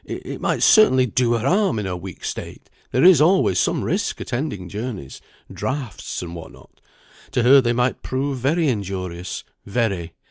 It might certainly do her harm in her weak state; there is always some risk attending journeys draughts, and what not. To her, they might prove very injurious, very.